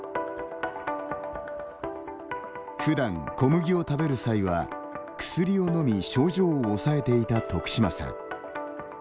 ふだん小麦を食べる際は薬を飲み症状を抑えていた徳島さん。